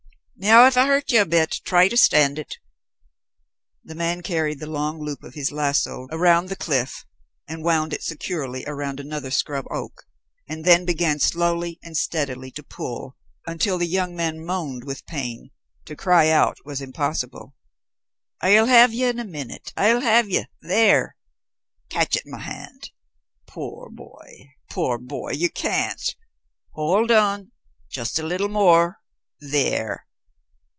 "Now if I hurt ye a bit, try to stand it." The man carried the long loop of his lasso around the cliff and wound it securely around another scrub oak, and then began slowly and steadily to pull, until the young man moaned with pain, to cry out was impossible. "I'll have ye in a minute I'll have ye there! Catch at my hand. Poor boy, poor boy, ye can't. Hold on just a little more there!"